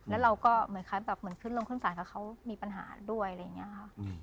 แล้วเราก็เหมือนขึ้นลงขึ้นสายเพราะเขามีปัญหาด้วยอะไรอย่างนี้ครับ